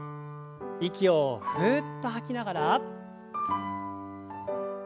息をふっと吐きながら。